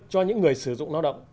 cho những người sử dụng